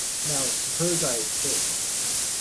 Now, suppose I had killed him.